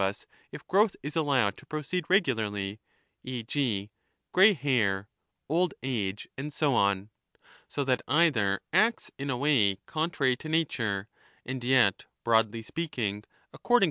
us if growth is allowed to proceed regularly, e. g. grey hair, old age, and so on. So that either acts, in a way,* contrary to nature, and yet, 35 broadly speaking, according to nature, but not the same nature.